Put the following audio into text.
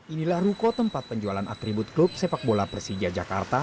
inilah ruko tempat penjualan atribut klub sepak bola persija jakarta